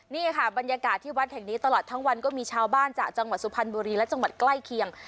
นี่ค่ะบรรยากาศที่วัดแห่งนี้ตลอดทั้งวันก็มีชาวบ้านจากจังหวัดสุพรรณบุรีและจังหวัดใกล้เคียง